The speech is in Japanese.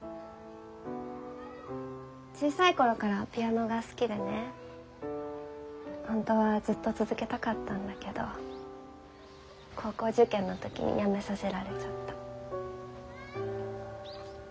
・小さい頃からピアノが好きでね本当はずっと続けたかったんだけど高校受験の時にやめさせられちゃった。